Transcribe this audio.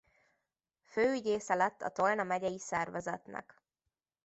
Főügyésze lett a Tolna megyei szervezetnek.